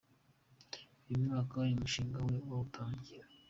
uyu mwaka uyu mushinga we yawutangira.